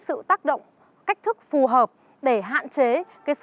sao lại có chuyện đấy